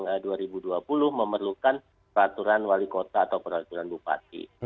dananya sudah dikirimkan peraturan wali kota atau peraturan bupati